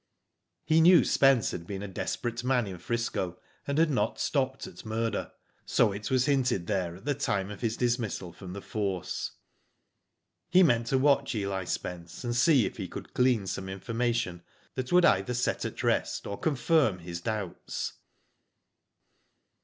He knew Spence had been a desperate man in Digitized byGoogk 90 WHO DID IT? 'Frisco, and had not stopped at murder, so it was hinted there at the time of his dismissal from the force. He meant to watch EH Spence, and see if he could glean some information that would either set at rest, or confirm his doubts.